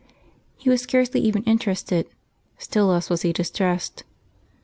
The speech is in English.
He was scarcely even interested; still less was he distressed.